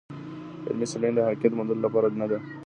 علمي څېړنه د حقیقت موندلو لپاره نده.